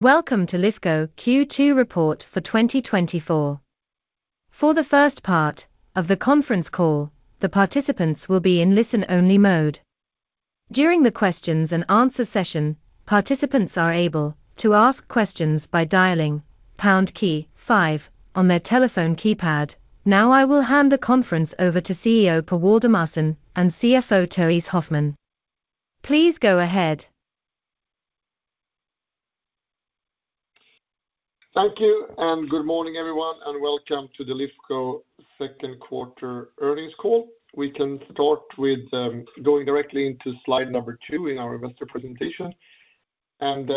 Welcome to Lifco Q2 report for 2024. For the first part of the conference call, the participants will be in listen-only mode. During the questions and answer session, participants are able to ask questions by dialing pound key five on their telephone keypad. Now, I will hand the conference over to CEO Per Waldemarson and CFO Therése Hoffman. Please go ahead. Thank you, and good morning, everyone, and welcome to the Lifco second quarter earnings call. We can start with going directly into slide number 2 in our investor presentation and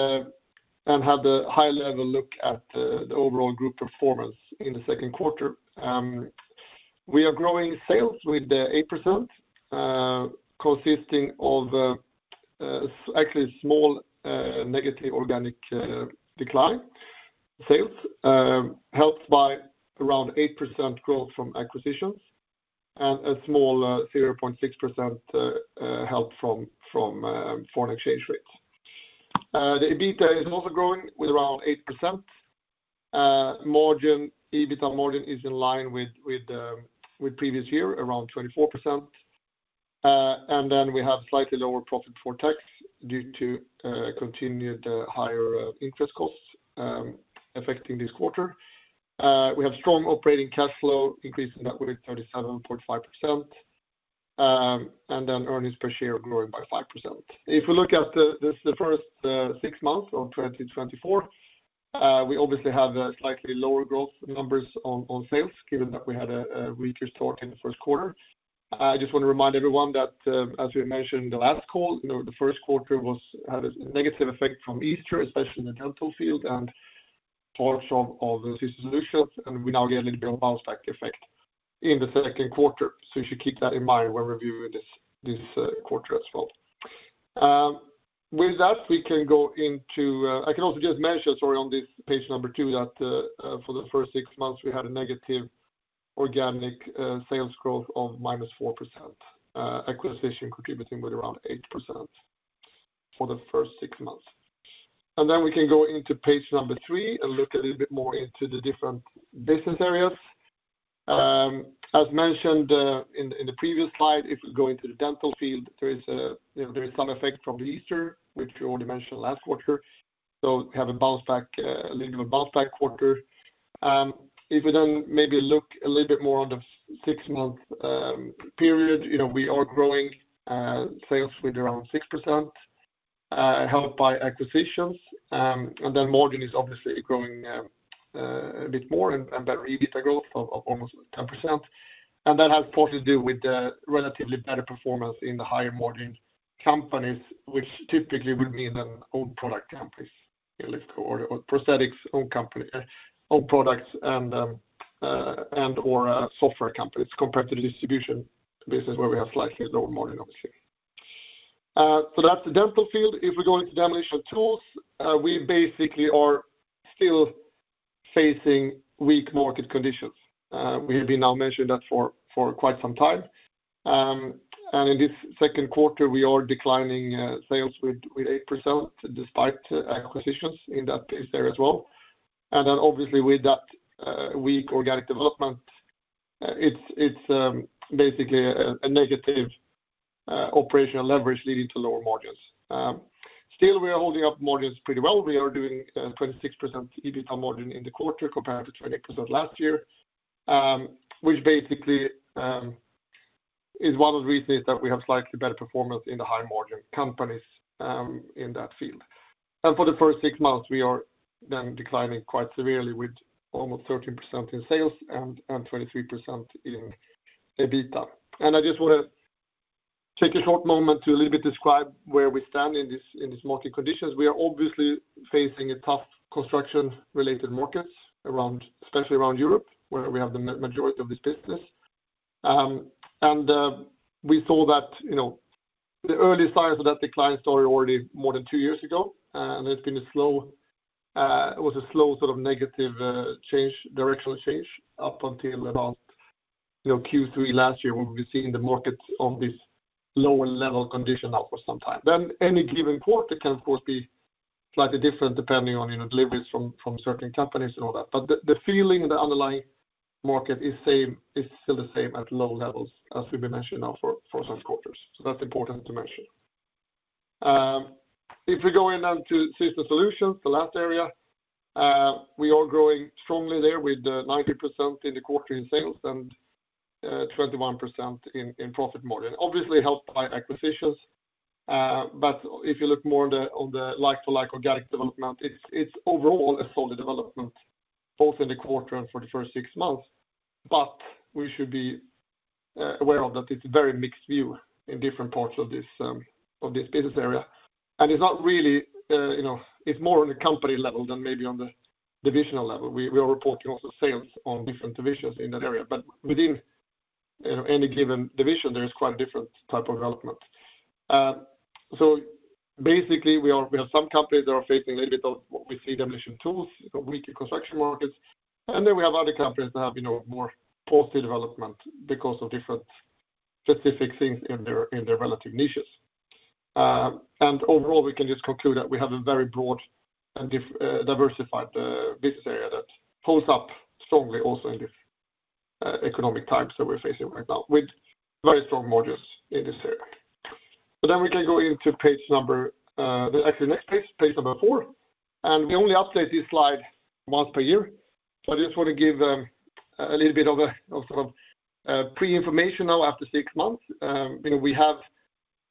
have the high-level look at the overall group performance in the second quarter. We are growing sales with the 8%, consisting of actually small negative organic decline sales, helped by around 8% growth from acquisitions and a small 0.6% help from foreign exchange rates. The EBITDA is also growing with around 8%. EBITDA margin is in line with previous year, around 24%. And then we have slightly lower profit for tax due to continued higher interest costs affecting this quarter. We have strong operating cash flow, increasing that with 37.5%, and then earnings per share growing by 5%. If we look at the first six months of 2024, we obviously have slightly lower growth numbers on sales, given that we had a weaker start in the first quarter. I just want to remind everyone that, as we mentioned in the last call, you know, the first quarter had a negative effect from Easter, especially in the Dental field and parts of the System solutions, and we now get a little bit of a bounce back effect in the second quarter. So you should keep that in mind when reviewing this quarter as well. With that, we can go into... I can also just mention, sorry, on this page 2, that for the first six months, we had a negative organic sales growth of -4%, acquisition contributing with around 8% for the first six months. Then we can go into page 3 and look a little bit more into the different business areas. As mentioned in the previous slide, if we go into the Dental field, there is, you know, some effect from the Easter, which we already mentioned last quarter. So we have a bounce back, a little of a bounce back quarter. If we then maybe look a little bit more on the six-month period, you know, we are growing sales with around 6%, helped by acquisitions. And then margin is obviously growing a bit more and better EBITDA growth of almost 10%. And that has partly to do with the relatively better performance in the higher margin companies, which typically would mean own product companies in Lifco or prosthetics own company, own products and/or software companies, compared to the distribution. This is where we have slightly lower margin, obviously. So that's the Dental field. If we go into demolition tools, we basically are still facing weak market conditions. We have been now mentioning that for quite some time. And in this second quarter, we are declining sales with 8%, despite acquisitions in that case there as well. Then obviously, with that, weak organic development, it's basically a negative operational leverage leading to lower margins. Still, we are holding up margins pretty well. We are doing 26% EBITDA margin in the quarter compared to 20% last year, which basically is one of the reasons that we have slightly better performance in the high-margin companies in that field. For the first six months, we are then declining quite severely with almost 13% in sales and 23% in EBITDA. I just want to take a short moment to a little bit describe where we stand in this market conditions. We are obviously facing a tough construction-related markets around, especially around Europe, where we have the majority of this business. We saw that, you know, the early signs of that decline started already more than two years ago, and it's been a slow, sort of negative change, directional change, up until about, you know, Q3 last year, where we've seen the markets on this lower level condition now for some time. Then any given quarter can, of course, be slightly different depending on, you know, deliveries from certain companies and all that. But the feeling in the underlying market is same, is still the same at low levels as we've been mentioning now for some quarters. So that's important to mention. If we go in then to Systems Solutions, the last area, we are growing strongly there with 90% in the quarter in sales and 21% in profit margin. Obviously, helped by acquisitions, but if you look more on the like-to-like organic development, it's overall a solid development, both in the quarter and for the first six months, but we should be aware of that it's a very mixed view in different parts of this business area. It's not really, you know, it's more on the company level than maybe on the divisional level. We are reporting also sales on different divisions in that area, but within, you know, any given division, there is quite a different type of development. So basically, we have some companies that are facing a little bit of what we see demolition tools, weak construction markets, and then we have other companies that have, you know, more positive development because of different specific things in their relative niches. And overall, we can just conclude that we have a very broad and diversified business area that holds up strongly also in this economic times that we're facing right now, with very strong modules in this area. But then we can go into page number, actually next page, page number 4, and we only update this slide once per year. So I just want to give a little bit of a sort of pre-information now after six months. You know, we have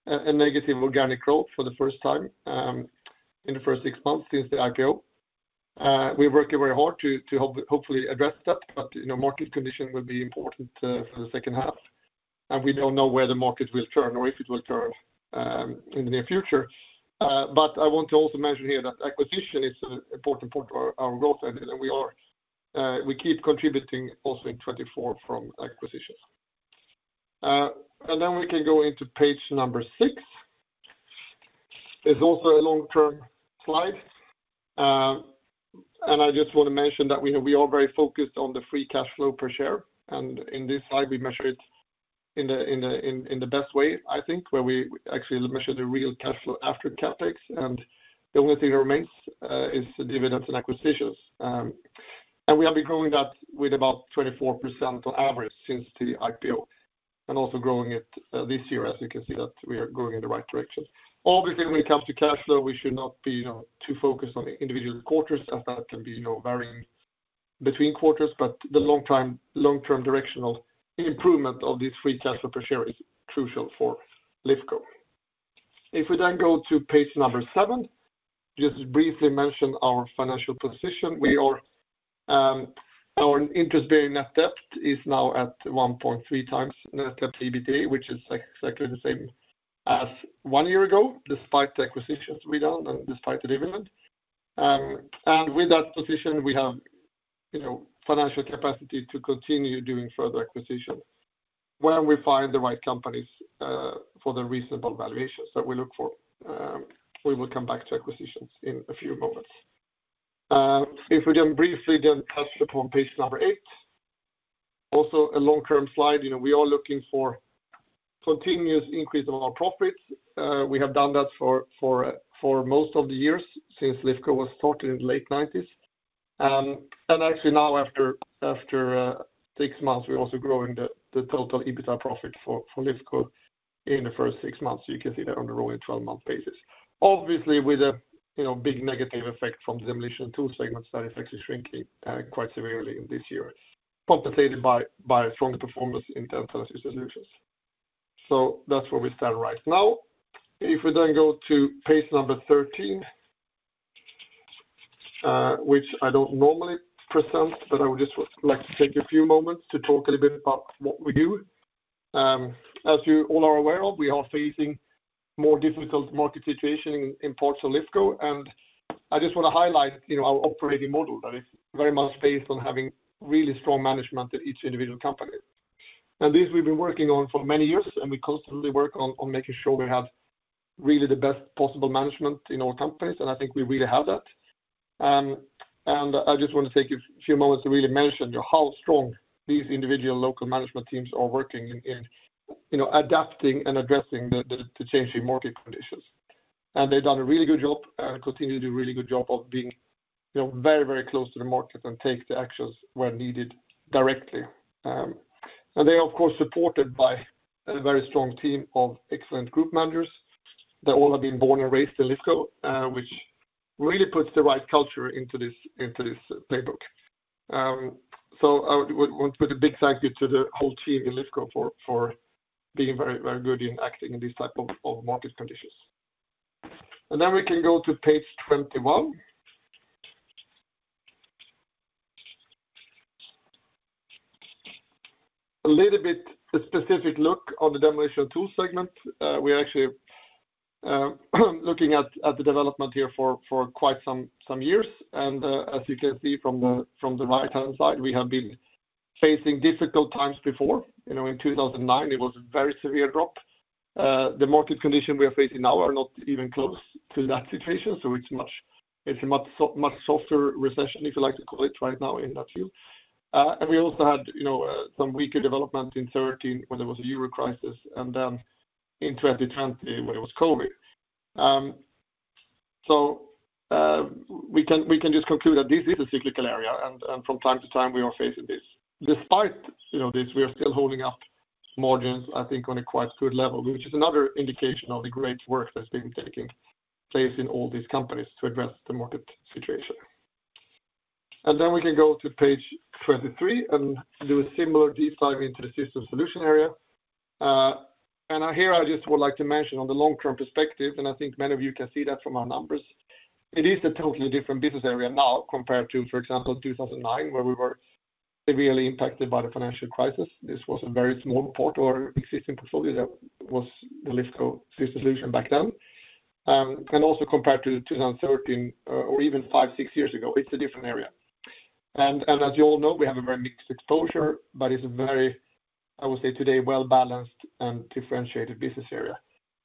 a negative organic growth for the first time in the first six months since the IPO. We're working very hard to hopefully address that, but, you know, market condition will be important for the second half, and we don't know where the market will turn or if it will turn in the near future. But I want to also mention here that acquisition is an important part of our growth engine, and we keep contributing also in 2024 from acquisitions. And then we can go into page number six. It's also a long-term slide. And I just want to mention that we know we are very focused on the free cash flow per share, and in this slide, we measure it in the best way, I think, where we actually measure the real cash flow after CapEx, and the only thing that remains is the dividends and acquisitions. And we have been growing that with about 24% on average since the IPO, and also growing it this year, as you can see that we are going in the right direction. Obviously, when it comes to cash flow, we should not be, you know, too focused on the individual quarters, as that can be, you know, varying between quarters, but the long-term directional improvement of this free cash flow per share is crucial for Lifco. If we then go to page 7, just briefly mention our financial position. We are, our interest bearing net debt is now at 1.3 times net debt EBITDA, which is exactly the same as one year ago, despite the acquisitions we done and despite the dividend. With that position, we have, you know, financial capacity to continue doing further acquisitions when we find the right companies, for the reasonable valuations that we look for. We will come back to acquisitions in a few moments. If we briefly touch upon page number 8, also a long-term slide, you know, we are looking for continuous increase of our profits. We have done that for most of the years since Lifco was started in the late 1990s. And actually now, after six months, we're also growing the total EBITDA profit for Lifco in the first six months. You can see that on the rolling 12-month basis. Obviously, with a, you know, big negative effect from the Demolition & Tools segment that is actually shrinking quite severely this year, compensated by strong performance in terms of solutions. So that's where we stand right now. If we then go to page number 13, which I don't normally present, but I would just like to take a few moments to talk a little bit about what we do. As you all are aware of, we are facing more difficult market situation in parts of Lifco, and I just want to highlight, you know, our operating model that is very much based on having really strong management in each individual company. And this we've been working on for many years, and we constantly work on making sure we have really the best possible management in our companies, and I think we really have that. I just want to take a few moments to really mention how strong these individual local management teams are working in, you know, adapting and addressing the changing market conditions. And they've done a really good job, and continue to do a really good job of being, you know, very, very close to the market and take the actions where needed directly. And they are, of course, supported by a very strong team of excellent group managers that all have been born and raised in Lifco, which really puts the right culture into this playbook. So I would want to put a big thank you to the whole team in Lifco for being very, very good in acting in these type of market conditions. And then we can go to page 21. A little bit specific look on the Demolition & Tools segment. We are actually looking at the development here for quite some years. And, as you can see from the right-hand side, we have been facing difficult times before. You know, in 2009, it was a very severe drop. The market condition we are facing now are not even close to that situation, so it's much softer recession, if you like to call it right now in that field. And we also had, you know, some weaker development in 2013 when there was a Euro crisis and then in 2020 when it was COVID. So, we can just conclude that this is a cyclical area, and from time to time, we are facing this. Despite, you know, this, we are still holding up margins, I think, on a quite good level, which is another indication of the great work that's been taking place in all these companies to address the market situation. And then we can go to page 23 and do a similar deep dive into the Systems Solutions area. And here I just would like to mention on the long-term perspective, and I think many of you can see that from our numbers, it is a totally different business area now compared to, for example, 2009, where we were severely impacted by the financial crisis. This was a very small part or existing portfolio that was the Lifco Systems Solutions back then. And also compared to 2013, or even five, six years ago, it's a different area. As you all know, we have a very mixed exposure, but it's a very, I would say, today well-balanced and differentiated business area.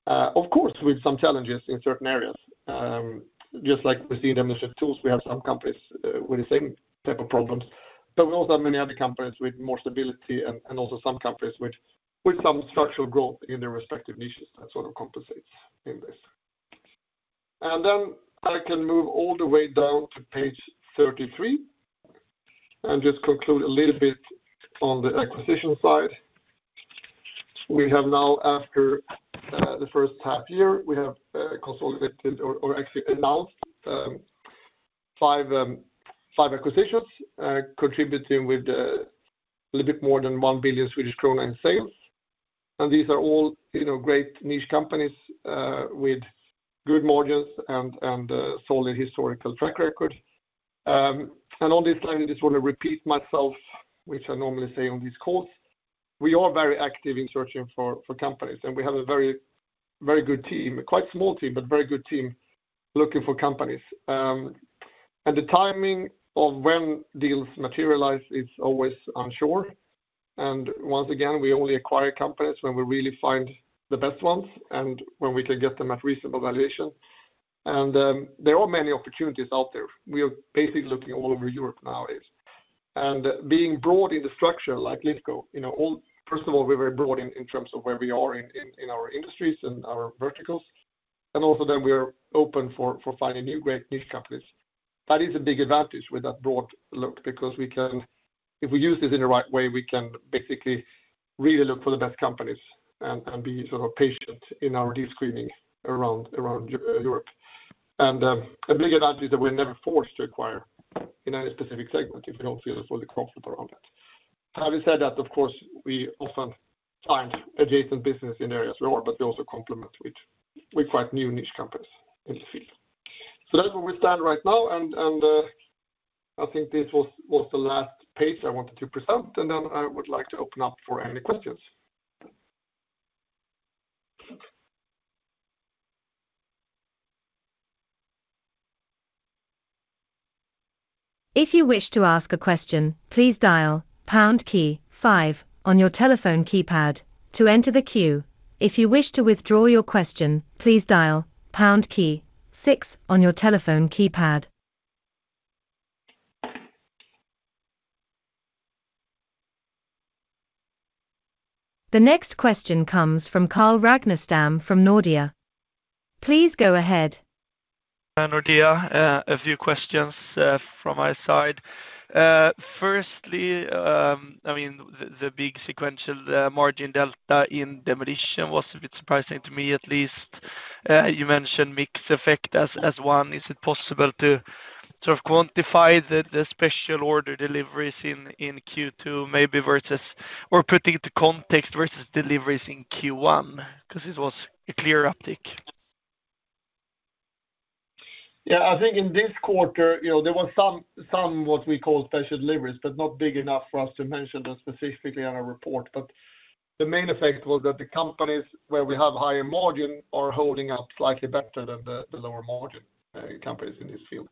Of course, with some challenges in certain areas, just like we see in the machine tools, we have some companies with the same type of problems. But we also have many other companies with more stability and also some companies with some structural growth in their respective niches, that sort of compensates in this. And then I can move all the way down to page 33, and just conclude a little bit on the acquisition side. We have now, after the first half year, we have consolidated or actually announced 5 acquisitions, contributing with a little bit more than 1 billion Swedish krona in sales. These are all, you know, great niche companies with good margins and solid historical track record. On this slide, I just want to repeat myself, which I normally say on these calls. We are very active in searching for companies, and we have a very, very good team, a quite small team, but very good team looking for companies. The timing of when deals materialize is always unsure. Once again, we only acquire companies when we really find the best ones and when we can get them at reasonable valuation. There are many opportunities out there. We are basically looking all over Europe nowadays. Being broad in the structure like Lifco, you know, first of all, we're very broad in terms of where we are in our industries and our verticals, and also then we are open for finding new great niche companies. That is a big advantage with that broad look, because we can—if we use this in the right way, we can basically really look for the best companies and be sort of patient in our deal screening around Europe. A big advantage is that we're never forced to acquire in any specific segment if we don't feel it's fully comfortable around that. Having said that, of course, we often find adjacent business in areas we are, but they also complement which we're quite new niche companies in the field. So that's where we stand right now, and I think this was the last page I wanted to present, and then I would like to open up for any questions. If you wish to ask a question, please dial pound key five on your telephone keypad to enter the queue. If you wish to withdraw your question, please dial pound key six on your telephone keypad. The next question comes from Carl Ragnerstam from Nordea. Please go ahead. Nordea. A few questions from my side. Firstly, I mean, the big sequential margin delta in demolition was a bit surprising to me, at least. You mentioned mix effect as one. Is it possible to sort of quantify the special order deliveries in Q2, maybe versus, or put it into context versus deliveries in Q1? Because this was a clear uptick. Yeah, I think in this quarter, you know, there were some what we call special deliveries, but not big enough for us to mention that specifically on our report. But the main effect was that the companies where we have higher margin are holding up slightly better than the lower margin companies in this field.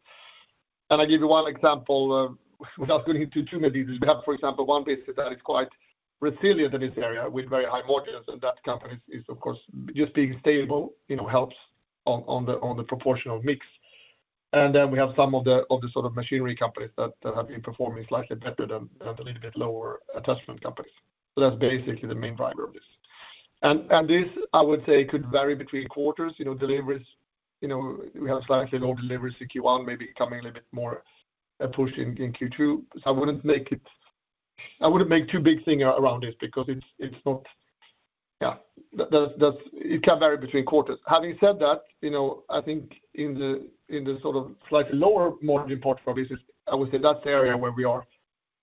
And I give you one example, without going into too many details. We have, for example, one business that is quite resilient in this area with very high margins, and that company is, of course, just being stable, you know, helps on the proportional mix. And then we have some of the sort of machinery companies that have been performing slightly better than the little bit lower attachment companies. So that's basically the main driver of this. This, I would say, could vary between quarters, you know. Deliveries, you know, we have slightly lower deliveries in Q1, maybe coming a little bit more pushed in Q2. So I wouldn't make it- I wouldn't make too big thing around this because it's not... Yeah, that it can vary between quarters. Having said that, you know, I think in the sort of slightly lower margin part of our business, I would say that's the area where we are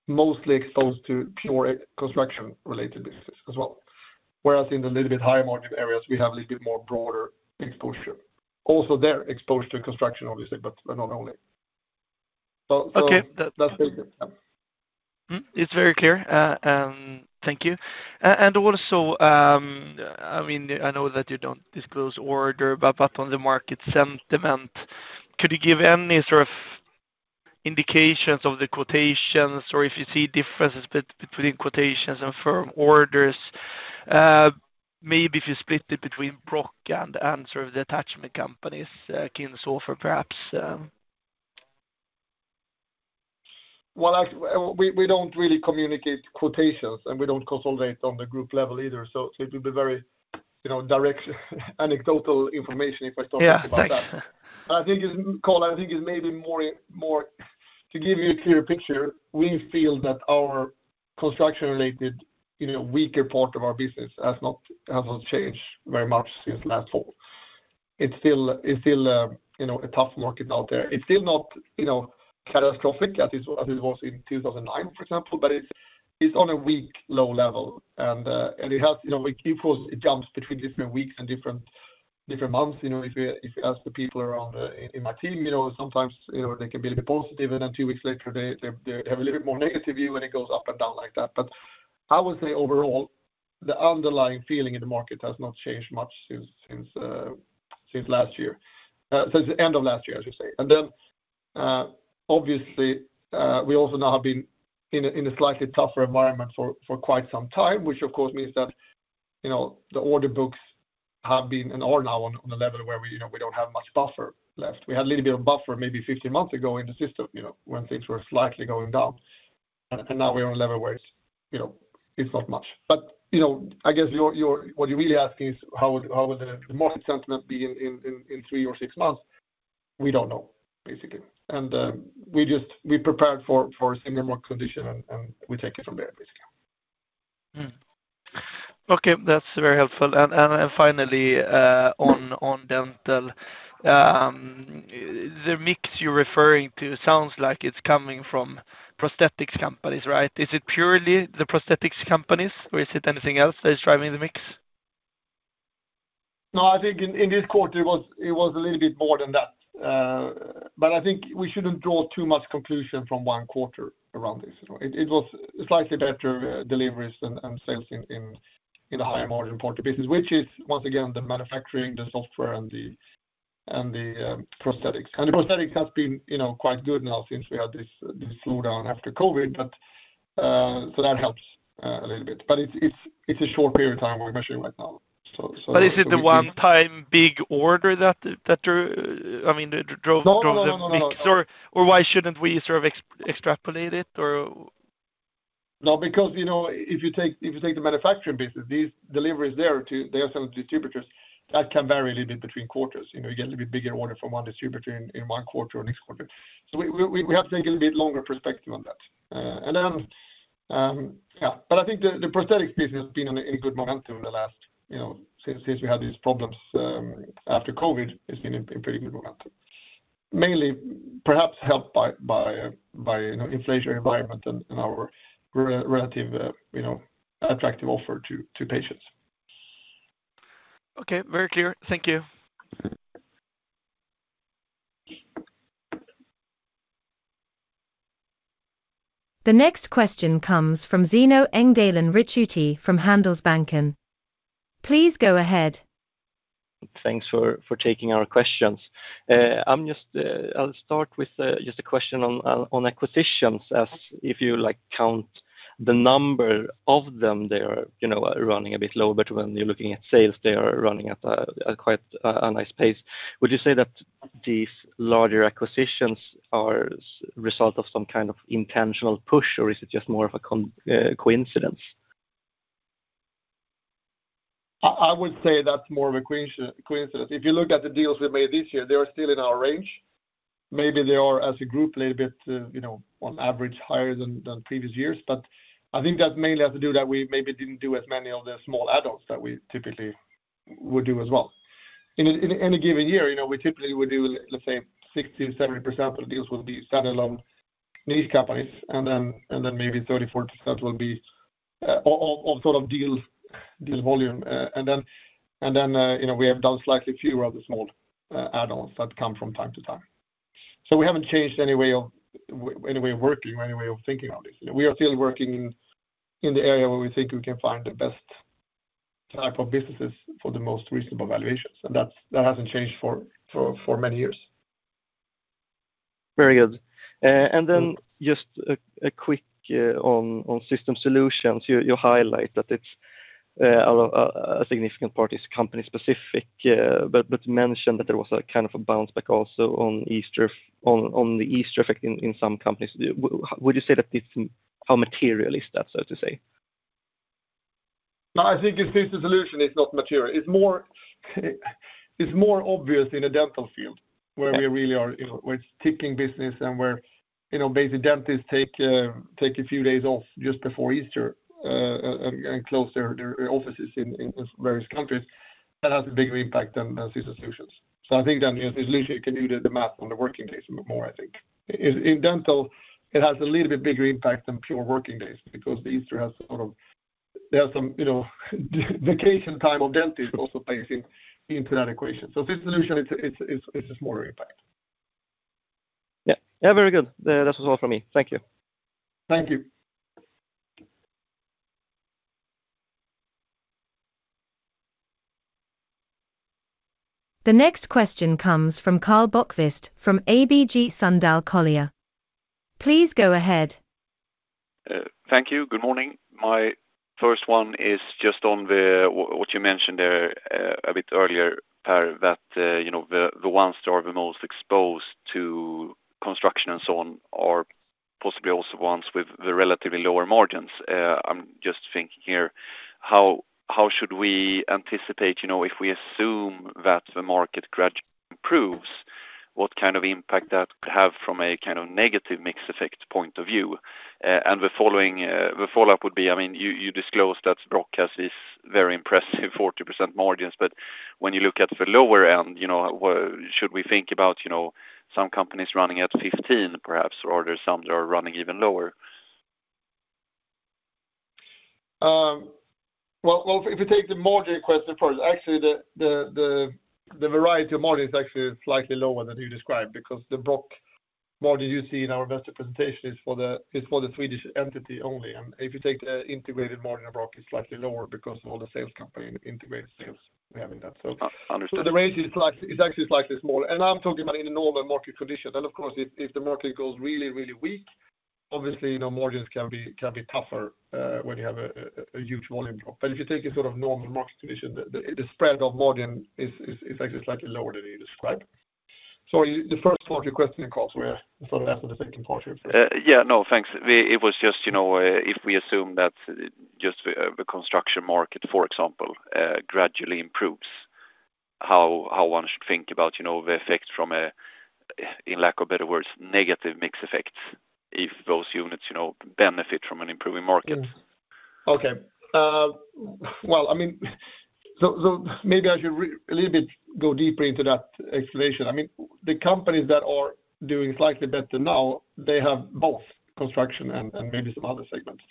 mostly exposed to pure construction-related business as well. Whereas in the little bit higher margin areas, we have a little bit more broader exposure. Also there, exposure to construction, obviously, but not only. So, so- Okay. That's it. Yeah. It's very clear, thank you. And also, I mean, I know that you don't disclose order, but on the market sentiment, could you give any sort of indications of the quotations or if you see differences between quotations and firm orders? Maybe if you split it between Brokk and sort of the attachment companies, Kinshofer, perhaps? Well, we don't really communicate quotations, and we don't consolidate on the group level either, so it will be very, you know, direct, anecdotal information if I talk about that. Yeah, thanks. I think it's... Carl, I think it's maybe more to give you a clearer picture, we feel that our construction-related, you know, weaker part of our business has not changed very much since last fall. It's still, you know, a tough market out there. It's still not, you know, catastrophic as it was in 2009, for example, but it's on a weak, low level. And it has, you know, it jumps between different weeks and different months, you know. If you ask the people around in my team, you know, sometimes, you know, they can be a little bit positive, and then two weeks later, they have a little bit more negative view, and it goes up and down like that. But I would say overall, the underlying feeling in the market has not changed much since last year, since the end of last year, I should say. And then, obviously, we also now have been in a slightly tougher environment for quite some time, which of course means that, you know, the order books have been in order now on a level where we, you know, we don't have much buffer left. We had a little bit of buffer maybe 15 months ago in the system, you know, when things were slightly going down, and now we're on a level where it's, you know, it's not much. But, you know, I guess your what you're really asking is how would the market sentiment be in three or six months? We don't know, basically. We just prepared for a similar market condition, and we take it from there, basically. Okay, that's very helpful. And finally, on Dental, the mix you're referring to sounds like it's coming from prosthetics companies, right? Is it purely the prosthetics companies, or is it anything else that is driving the mix? No, I think in this quarter it was a little bit more than that. But I think we shouldn't draw too much conclusion from one quarter around this, you know. It was slightly better deliveries and sales in the higher margin part of the business, which is, once again, the manufacturing, the software, and the prosthetics. And the prosthetics has been, you know, quite good now since we had this slowdown after COVID, but so that helps a little bit. But it's a short period of time we're measuring right now, so- But is it a one-time big order that, I mean, that drove- No, no, no, no, no.... the mix? Or, or why shouldn't we sort of extrapolate it, or? No, because, you know, if you take the manufacturing business, these deliveries there to, they are selling to distributors, that can vary a little bit between quarters. You know, you get a little bit bigger order from one distributor in one quarter or next quarter. So we have to take a little bit longer perspective on that. And then, yeah, but I think the prosthetics business has been on a good momentum in the last, you know, since we had these problems after COVID, it's been in pretty good momentum. Mainly perhaps helped by, by you know, inflationary environment and our relative, you know, attractive offer to patients. Okay, very clear. Thank you. The next question comes from Zino Engdalen Ricciuti from Handelsbanken. Please go ahead. Thanks for taking our questions. I'm just, I'll start with just a question on acquisitions, as if you, like, count the number of them, they are, you know, running a bit low, but when you're looking at sales, they are running at a quite nice pace. Would you say that these larger acquisitions are result of some kind of intentional push, or is it just more of a coincidence? I would say that's more of a coincidence, coincidence. If you look at the deals we made this year, they are still in our range. Maybe they are, as a group, a little bit, you know, on average, higher than previous years. But I think that mainly has to do that we maybe didn't do as many of the small add-ons that we typically would do as well. In any given year, you know, we typically would do, let's say, 60%-70% of the deals will be standalone niche companies, and then maybe 30-40% will be of sort of deals volume. You know, we have done slightly fewer of the small add-ons that come from time to time. So we haven't changed any way of working or any way of thinking on this. You know, we are still working in the area where we think we can find the best type of businesses for the most reasonable valuations, and that's, that hasn't changed for many years. Very good. And then just a quick on Systems Solutions, you highlight that it's a significant part is company specific, but you mentioned that there was a kind of a bounce back also on the Easter effect in some companies. Would you say that it's... How material is that, so to say? No, I think in Systems Solutions, it's not material. It's more, it's more obvious in the Dental field- Yeah... where we really are, you know, where it's ticking business and where, you know, basically dentists take a few days off just before Easter, and close their offices in various countries. That has a bigger impact than System Solutions. So I think then it's literally you can do the math on the working days more, I think. In dental, it has a little bit bigger impact than pure working days, because the Easter has sort of... There are some, you know, vacation time of dentists also plays into that equation. So System Solutions, it's a smaller impact. Yeah. Yeah, very good. That was all from me. Thank you. Thank you. The next question comes from Karl Bokvist from ABG Sundal Collier. Please go ahead. Thank you. Good morning. My first one is just on the, what you mentioned there, a bit earlier, Per, that, you know, the ones that are the most exposed to construction and so on are possibly also ones with the relatively lower margins. I'm just thinking here, how should we anticipate, you know, if we assume that the market gradually improves, what kind of impact that could have from a kind of negative mix effect point of view? And the following, the follow-up would be, I mean, you disclosed that Brokk has this very impressive 40% margins, but when you look at the lower end, you know, should we think about, you know, some companies running at 15, perhaps, or there are some that are running even lower? Well, if you take the margin question first, actually, the variety of margin is actually slightly lower than you described, because the Brokk margin you see in our investor presentation is for the Swedish entity only. And if you take the integrated margin of Brokk, it's slightly lower because of all the sales companies, integrated sales we have in that. So- Understood. So the rate is slightly smaller. It's actually slightly smaller. And I'm talking about in a normal market condition. And of course, if the market goes really, really weak, obviously, you know, margins can be tougher when you have a huge volume drop. But if you take a sort of normal market condition, the spread of margin is actually slightly lower than you describe. So the first part of your question, of course, we're sort of after the second part here. Yeah, no, thanks. It was just, you know, if we assume that just the, the construction market, for example, gradually improves, how one should think about, you know, the effect from a, in lack of better words, negative mix effects, if those units, you know, benefit from an improving market? Okay. Well, I mean, so maybe I should a little bit go deeper into that explanation. I mean, the companies that are doing slightly better now, they have both construction and maybe some other segments.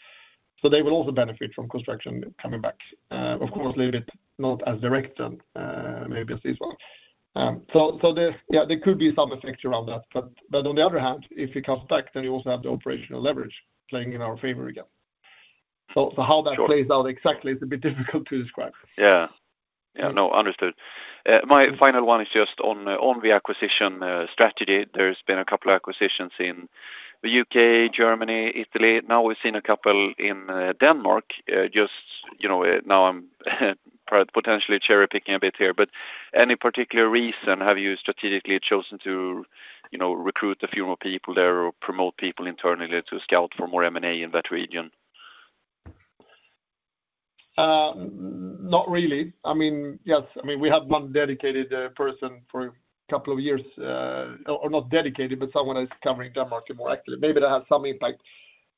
So they will also benefit from construction coming back. Of course, a little bit, not as direct and maybe as this one. So there's... Yeah, there could be some effect around that. But on the other hand, if it comes back, then you also have the operational leverage playing in our favor again. Sure. So, how that plays out exactly, it's a bit difficult to describe. Yeah. Yeah, no, understood. My final one is just on, on the acquisition strategy. There's been a couple of acquisitions in the UK, Germany, Italy. Now we've seen a couple in Denmark, just, you know, now I'm potentially cherry-picking a bit here, but any particular reason have you strategically chosen to, you know, recruit a few more people there or promote people internally to scout for more M&A in that region? Not really. I mean, yes, I mean, we have one dedicated person for a couple of years, or not dedicated, but someone is covering Denmark more actively. Maybe that has some impact.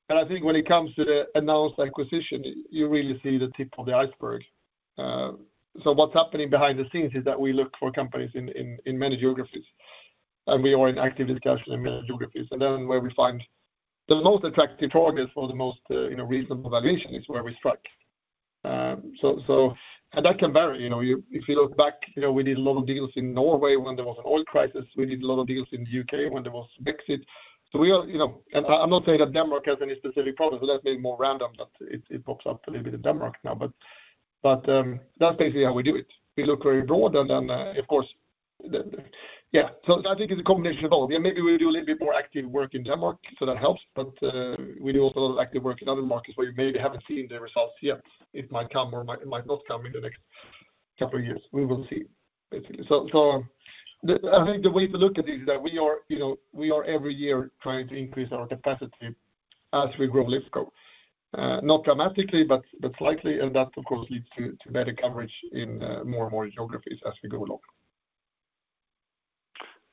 But I think when it comes to the announced acquisition, you really see the tip of the iceberg. So what's happening behind the scenes is that we look for companies in many geographies, and we are in active discussion in many geographies. And then where we find the most attractive progress for the most, you know, reasonable valuation is where we strike. So... And that can vary. You know, if you look back, you know, we did a lot of deals in Norway when there was an oil crisis. We did a lot of deals in the UK when there was Brexit. So we are, you know... I'm not saying that Denmark has any specific problems. That may be more random, but it pops up a little bit in Denmark now. But that's basically how we do it. We look very broad, and then, of course. Yeah, so I think it's a combination of all. Yeah, maybe we do a little bit more active work in Denmark, so that helps. But we do also active work in other markets where you maybe haven't seen the results yet. It might come or it might not come in the next couple of years. We will see, basically. I think the way to look at it is that we are, you know, we are every year trying to increase our capacity as we grow Lifco, not dramatically, but slightly, and that, of course, leads to better coverage in more and more geographies as we go along.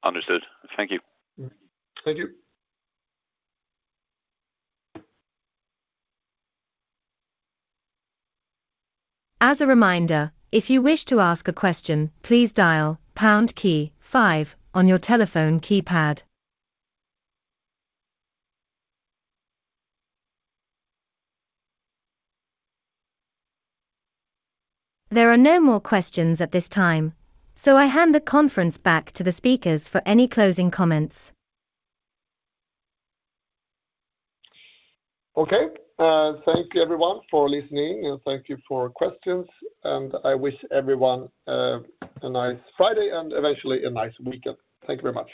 Understood. Thank you. Thank you. As a reminder, if you wish to ask a question, please dial pound key five on your telephone keypad. There are no more questions at this time, so I hand the conference back to the speakers for any closing comments. Okay. Thank you everyone for listening, and thank you for questions. I wish everyone a nice Friday and eventually a nice weekend. Thank you very much.